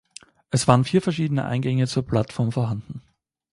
Es waren vier verschiedene Eingänge zur Plattform vorhanden.